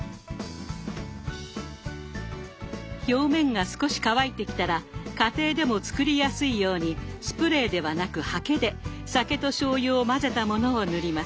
表面が少し乾いてきたら家庭でも作りやすいようにスプレーではなくハケで酒としょうゆを混ぜたものを塗ります。